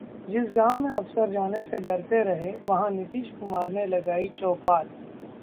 जिस गांव में अफसर जाने से डरते रहे, वहां नीतीश कुमार ने लगाई चौपाल